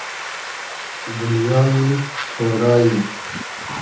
دونیای تۉرای